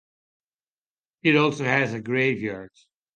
It also has a graveyard.